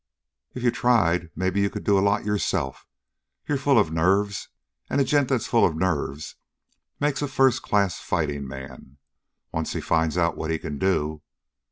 "If you tried, maybe you could do a lot yourself. You're full of nerves, and a gent that's full of nerves makes a first class fighting man, once he finds out what he can do.